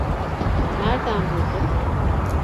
Nereden buldun?